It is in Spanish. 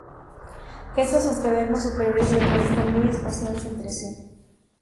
Estos osteodermos superiores además están muy espaciados entre sí.